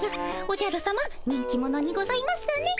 おじゃるさま人気者にございますね。